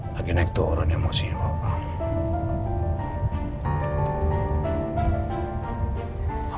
lagi naik tuh orang emosinya papa